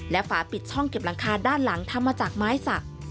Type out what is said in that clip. และฝาปิดช่องเก็บหลังคาด้านหลังทำมาจากไม้สัก